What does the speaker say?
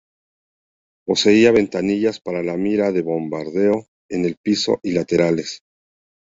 Poseía ventanillas para la mira de bombardeo en el piso y laterales.